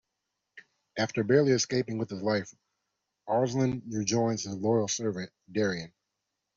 After barely escaping with his life, Arslan rejoins his loyal servant, Daryun.